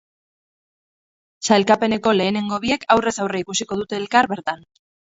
Sailkapeneko lehenengo biek aurrez aurre ikusiko dute elkar bertan.